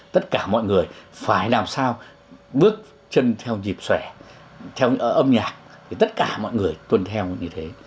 tất cả mọi người phải làm sao bước chân theo nhịp xòe theo âm nhạc thì tất cả mọi người tuân theo như thế